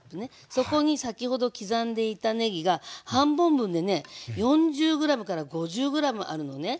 そこに先ほど刻んでいたねぎが半本分でね４０ｇから５０ｇあるのね。